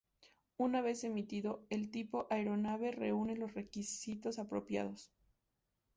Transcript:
Una vez emitido, el "tipo" de aeronave reúne los requisitos apropiados.